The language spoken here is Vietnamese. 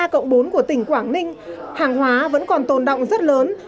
cộng bốn của tỉnh quảng ninh hàng hóa vẫn còn tồn động rất lớn